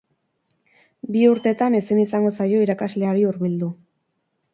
Bi urtetan ezin izango zaio irakasleari hurbildu.